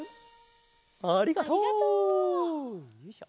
ありがとう！